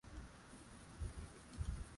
Watu watakao shiriki wanaweza kuja sasa